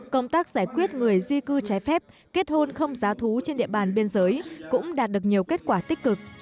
công tác giải quyết người di cư trái phép kết hôn không giá thú trên địa bàn biên giới cũng đạt được nhiều kết quả tích cực